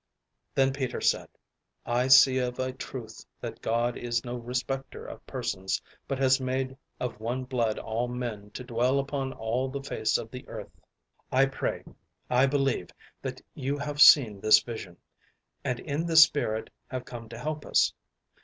Then Peter said, "I see of a truth that God is no respector of persons, but has made of one blood all men to dwell upon all the face of the earth." I pray, I believe, that you have seen this vision, and in this spirit have come to help us.